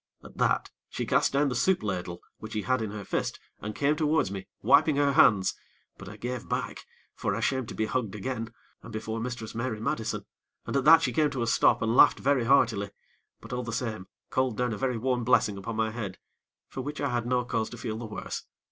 At that she cast down the soup ladle, which she had in her fist, and came towards me, wiping her hands; but I gave back, for I shamed to be hugged again, and before Mistress Mary Madison, and at that she came to a stop and laughed very heartily; but, all the same, called down a very warm blessing upon my head; for which I had no cause to feel the worse.